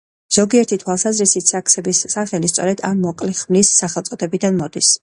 ზოგიერთი თვალსაზრისით, „საქსების“ სახელი სწორედ ამ მოკლე ხმლის სახელწოდებიდან მოდის.